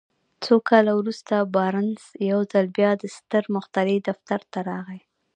څو کاله وروسته بارنس يو ځل بيا د ستر مخترع دفتر ته راغی.